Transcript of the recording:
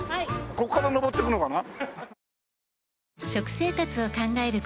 ここから上っていくのかな？